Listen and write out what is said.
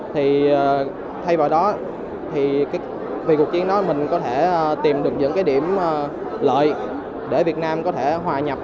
thay vào đó vì cuộc chiến đó mình có thể tìm được những điểm lợi để việt nam có thể hòa nhập